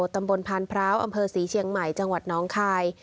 ตำบลพานพร้าวอำเภอศรีเชียงใหม่จังหวัดน้องคาย